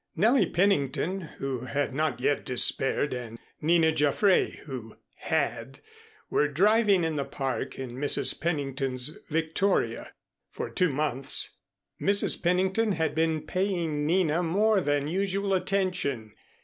Nellie Pennington, who had not yet despaired, and Nina Jaffray, who had, were driving in the Park in Mrs. Pennington's victoria. For two months Mrs. Pennington had been paying Nina more than usual attention.